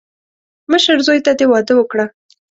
مشر زوی ته دې واده وکړه.